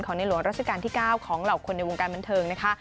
ของในหลวงราชาการที่๙ของเราคนในวงการบรรยายแทนเงียน